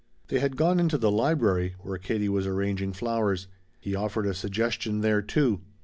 They had gone into the library, where Katie was arranging flowers. He offered a suggestion there, too.